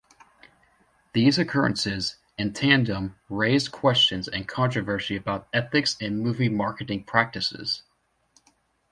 These occurrences, in tandem, raised questions and controversy about ethics in movie marketing practices.